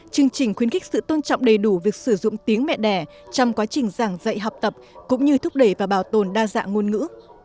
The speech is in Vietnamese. chương trình khuyến khích sự tôn trọng đầy đủ việc sử dụng tiếng mẹ đẻ trong quá trình giảng dạy học tập cũng như thúc đẩy và bảo tồn đa dạng ngôn ngữ